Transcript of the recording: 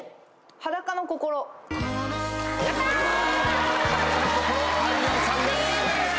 『裸の心』やった！